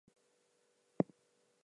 Glad to find you so merry, my girls.